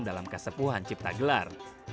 dalam kesepuhan ciptagelar